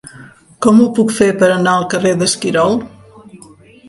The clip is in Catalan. Com ho puc fer per anar al carrer d'Esquirol?